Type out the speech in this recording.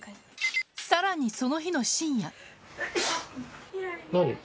さらにその日の深夜何？